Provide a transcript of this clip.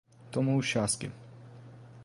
Toma o chasque